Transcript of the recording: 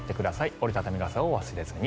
折り畳み傘を忘れずに。